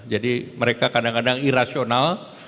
jadi mereka kadang kadang irasional